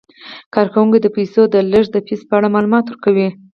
کارکوونکي د پیسو د لیږد د فیس په اړه معلومات ورکوي.